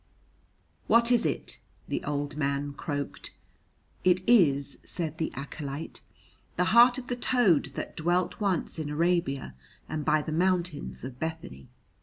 "What is it?" the old man croaked. "It is," said the acolyte, "the heart of the toad that dwelt once in Arabia and by the mountains of Bethany."